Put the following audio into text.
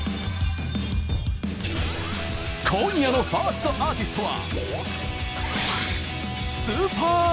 今夜のファーストアーティストは。